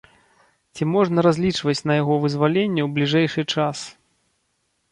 Ці можна разлічваць на яго вызваленне ў бліжэйшы час?